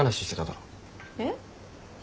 えっ？